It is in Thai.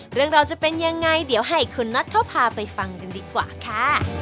เรื่องราวจะเป็นยังไงเดี๋ยวให้คุณน็อตเขาพาไปฟังกันดีกว่าค่ะ